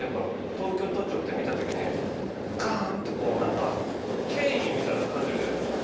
東京都庁って見た時にガンってこう何か権威みたいなの感じるじゃないですか。